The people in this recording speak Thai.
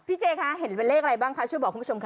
เจ๊คะเห็นเป็นเลขอะไรบ้างคะช่วยบอกคุณผู้ชมค่ะ